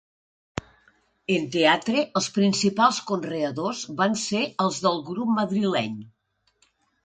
En teatre, els principals conreadors van ser els del grup madrileny.